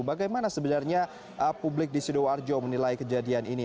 bagaimana sebenarnya publik di sidoarjo menilai kejadian ini